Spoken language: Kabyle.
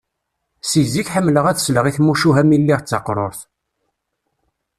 Seg zik ḥemmleɣ ad sleɣ i tmucuha mi lliɣ d taqrurt.